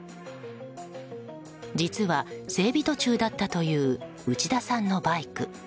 実は、整備途中だったという内田さんのバイク。